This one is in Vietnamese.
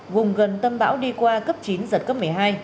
vùng gần tâm bão đi qua cấp chín giật cấp một mươi hai